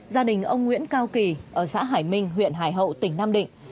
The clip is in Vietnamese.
gia đình ông nguyễn cao kỳ ở xã hải minh huyện hải hậu tỉnh nam định